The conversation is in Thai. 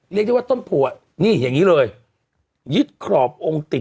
เรียกได้ว่าต้นโพอนี่อย่างงี้เลยยึดครอบองค์ติดกับอืม